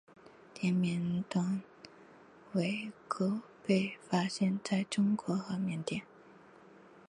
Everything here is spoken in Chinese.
滇缅短尾鼩被发现在中国和缅甸。